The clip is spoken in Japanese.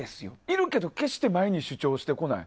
いるけど決して前に主張してこない。